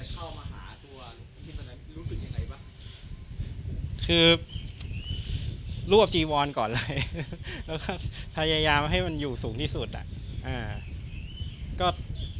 ก่อนเลยแล้วเขาพยายามให้มันอยู่สูงที่สุดอ่ะอ่า